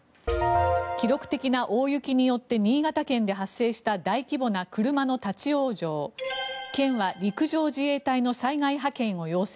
記録的な大雪によって新潟県で発生した大規模な車の立ち往生。